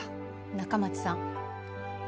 仲町さん